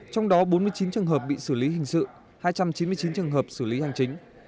trong đó bốn mươi chín trường hợp bị xử lý hình sự hai trăm chín mươi chín trường hợp xử lý hành chính